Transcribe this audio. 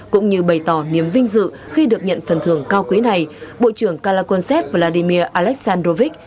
cũng như bày tỏ niềm vinh dự khi được nhận phần thưởng cao quý này bộ trưởng kalakonsep vladimir aleksandrovich